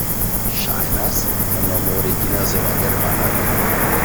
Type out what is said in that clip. Ŝajnas, la nomo originas el la germana.